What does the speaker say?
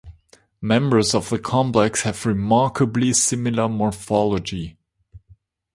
Members of the complex have remarkably similar morphology.